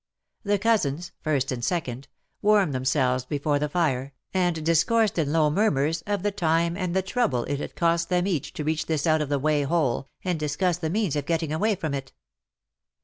The cousins — first and second — warmed themselves before the fire, and discoursed in low murmurs of the time and the trouble it had cost them to reach this out of the way hole, and discussed the means of getting away from it.